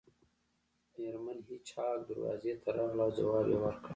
میرمن هیج هاګ دروازې ته راغله او ځواب یې ورکړ